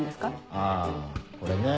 あぁこれね。